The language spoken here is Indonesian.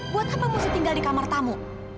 buat apa masih tinggal di kamar tamu